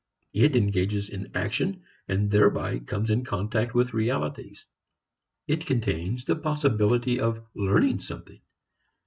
It engages in action and thereby comes in contact with realities. It contains the possibility of learning something.